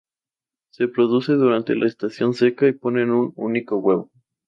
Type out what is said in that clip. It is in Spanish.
Se reproduce durante la estación seca y ponen un único huevo.